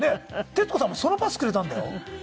徹子さんもそのパスくれたんだよ。